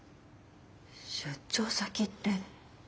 出張先って。